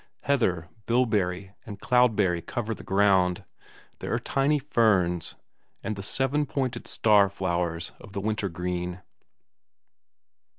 Heather, bilberry, and cloudberry cover the ground; there are tiny ferns, and the seven pointed star flowers of the winter green.